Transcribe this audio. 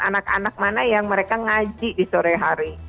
anak anak mana yang mereka ngaji di sore hari